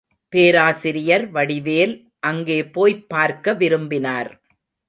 பேராசிரியர் வடிவேல் அங்கே போய்ப் பார்க்க விரும்பினார்.